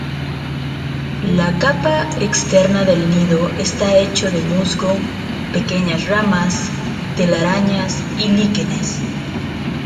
La capa externa del nido está hecho de musgo, pequeñas ramas, telarañas y líquenes.